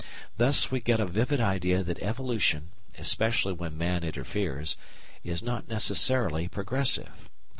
Thus we get a vivid idea that evolution, especially when man interferes, is not necessarily progressive.